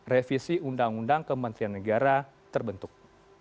revisi undang undang kementerian negara terbentuk